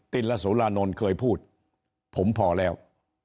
ติลสุรานนท์เคยพูดผมพอแล้ว